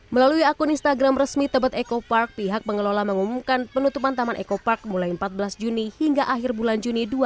melalui akun instagram resmi tebet eko park pihak pengelola mengumumkan penutupan taman eko park mulai empat belas juni hingga akhir bulan